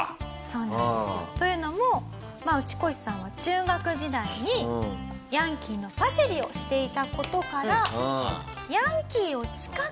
そうなんですよ。というのもウチコシさんは中学時代にヤンキーのパシリをしていた事から。